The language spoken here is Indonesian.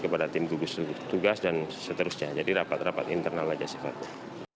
kepada tim gugus tugas dan seterusnya jadi rapat rapat internal saja sifatnya